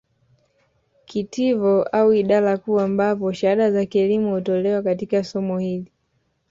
Kitivo au idara kuu ambapo shahada za kielimu hutolewa katika somo hili